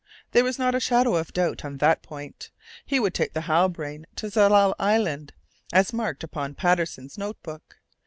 There was not a shadow of doubt on that point. He would take the Halbrane to Tsalal Island, as marked upon Patterson's note book.